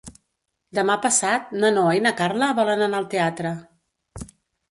Demà passat na Noa i na Carla volen anar al teatre.